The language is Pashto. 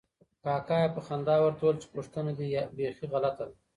کاکا یې په خندا ورته وویل چې پوښتنه دې بیخي غلطه ده.